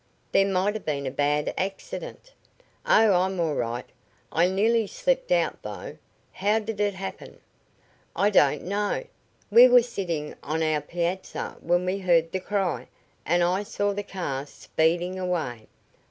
There might have been a bad accident." "Oh, I'm all right. I nearly slipped out, though. How did it happen?" "I don't know. We were sitting on our piazza when we heard the cry, and I saw the car speeding away."